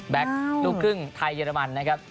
ลูกครึ่งไทยเยอรมันนะครับ